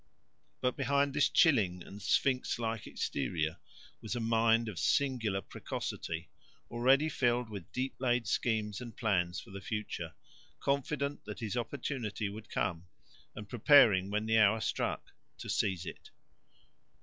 But behind this chilling and sphinx like exterior was a mind of singular precocity, already filled with deep laid schemes and plans for the future, confident that his opportunity would come, and preparing when the hour struck to seize it.